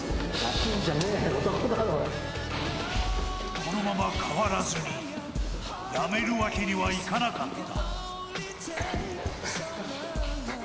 このまま変わらずにやめるわけにはいかなかった。